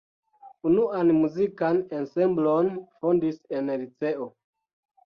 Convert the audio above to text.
Unuan muzikan ensemblon fondis en liceo.